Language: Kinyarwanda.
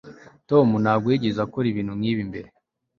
tom ntabwo yigeze akora ibintu nkibi mbere